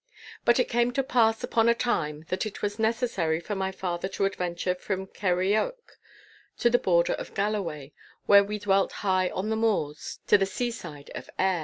But it came to pass upon a time that it was necessary for my father to adventure from Kirrieoch on the border of Galloway, where we dwelt high on the moors, to the seaside of Ayr.